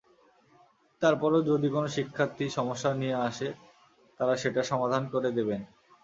তারপরও যদি কোনো শিক্ষার্থী সমস্যা নিয়ে আসে, তাঁরা সেটা সমাধান করে দেবেন।